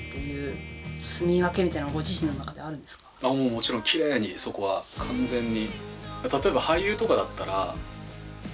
もちろんきれいにそこは完全に。